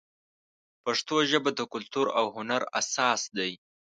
پښتو ژبه د کلتور او هنر اساس دی.